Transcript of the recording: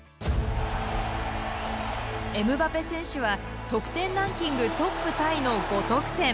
エムバペ選手は得点ランキングトップタイの５得点。